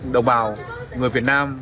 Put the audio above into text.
đồng bào người việt nam